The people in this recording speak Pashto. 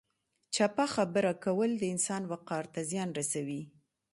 چپه خبره کول د انسان وقار ته زیان رسوي.